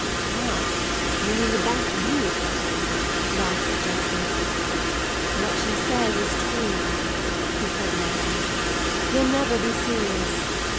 "Ah, you mean the back view of her," Ralph suggested. "What she says is true," his cousin answered; "you'll never be serious.